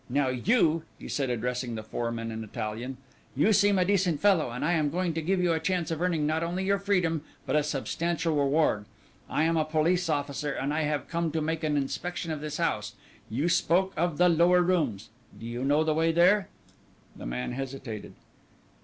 Now you," he said, addressing the foreman in Italian, "you seem a decent fellow, and I am going to give you a chance of earning not only your freedom, but a substantial reward. I am a police officer and I have come to make an inspection of this house. You spoke of the lower rooms do you know the way there?" The man hesitated.